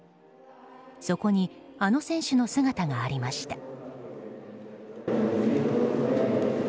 そこにあの選手の姿がありました。